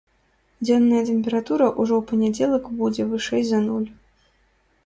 Дзённая тэмпература ўжо ў панядзелак будзе вышэй за нуль.